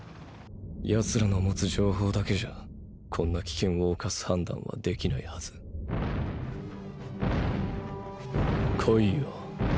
奴らの持つ情報だけじゃこんな危険を冒す判断はできないはず来いよ